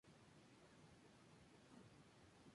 Graba de manera amateur varias maquetas.